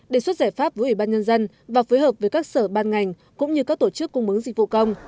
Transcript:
đề xuất giải pháp với ủy ban nhân dân và phối hợp với các sở ban ngành cũng như các tổ chức cung mứng dịch vụ công